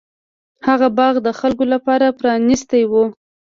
هغه باغ د خلکو لپاره پرانیستی و.